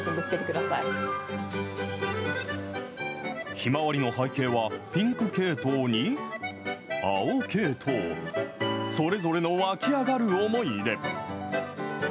ひまわりの背景は、ピンク系統に、青系統、それぞれの湧き上がる思いで。